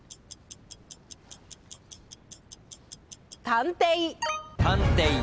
たんてい。